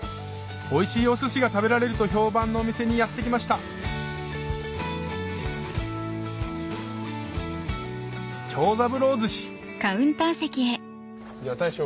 おいしいお寿司が食べられると評判のお店にやって来ましたじゃあ大将。